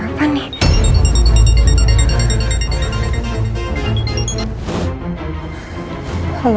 karena kayaknya aku percaya melt